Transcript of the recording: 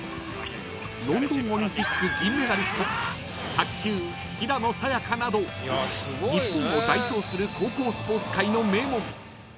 ［ロンドンオリンピック銀メダリスト卓球平野早矢香など日本を代表する高校スポーツ界の名門］